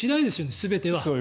全ては。